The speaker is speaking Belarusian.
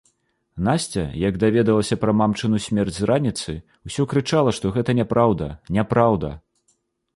Насця як даведалася пра мамчыну смерць з раніцы, усё крычала, што гэта няпраўда, няпраўда!